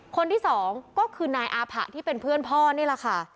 คนที่สองก็คือนายอาผะที่เป็นเพื่อนพ่อนี่แหละค่ะ